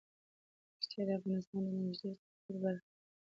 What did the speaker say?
ښتې د افغانستان د انرژۍ سکتور برخه ده.